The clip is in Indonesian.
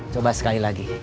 coba sekali lagi